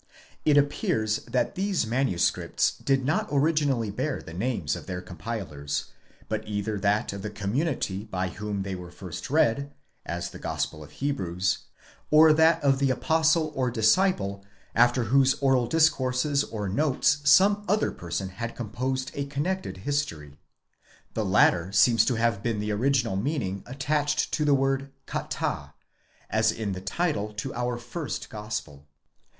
It appears that these manuscripts did not originally bear the names of their compilers, but either that of the community by whom they were first read, as the Gospel of Hebrews ; or that of the Apostle or disciple after whose oral discourses or notes some other person had composed a connected history. The latter 'seems to have been the original meaning attached to the word κατὰ ; as in the title to our first Gospel.!